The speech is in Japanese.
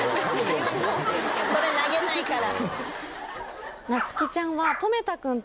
それ投げないから。